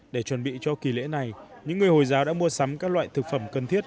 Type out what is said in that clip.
để chuẩn bị cho kỳ lễ này những người hồi giáo đã mua sắm các loại thực phẩm cần thiết